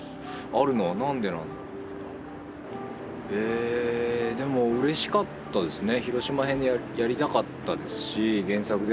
えでもうれしかったですね。